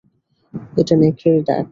এটা নেকড়ের ডাক।